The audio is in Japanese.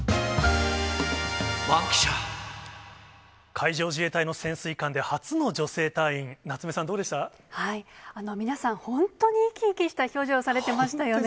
海上自衛隊の潜水艦で初の女皆さん、本当に生き生きした表情をされてましたよね。